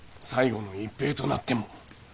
最後の一兵となっても。